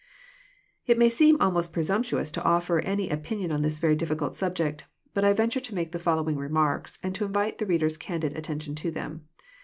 It may seem almost presumptuous to offer any opinion on this very difficult subject. But I venture to make the following re marks, and to invite the reader's candid attention to them.